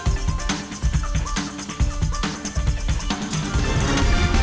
terima kasih banyak